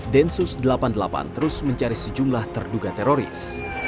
densus delapan puluh delapan terus mencari sejumlah terduga teroris